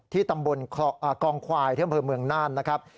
ที่ตำบลกองควายเที่ยวเมืองน่านนะครับ